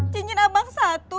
cincin abang satu